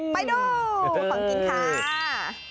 ไปดูของกินค่ะ